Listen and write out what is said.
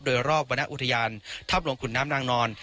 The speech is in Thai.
โดยรอบวรรณอุทยานถ้ำหลวงขุนน้ำนางนอน